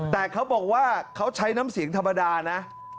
แต่เขาบอกว่าเขาใช้น้ำเสียงธรรมดานะ